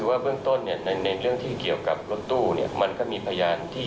ว่าเบื้องต้นเนี่ยในเรื่องที่เกี่ยวกับรถตู้เนี่ยมันก็มีพยานที่